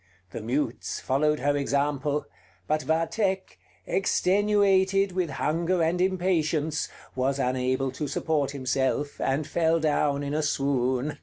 The mutes followed her example: but Vathek, extenuated with hunger and impatience, was unable to support himself, and fell down in a swoon.